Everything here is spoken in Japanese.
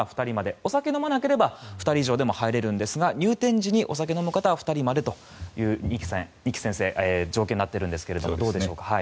お酒を飲まなければ２人以上でも入れるんですが入店時にお酒を飲む方は２人までという二木先生、条件になっていますがどうでしょうか。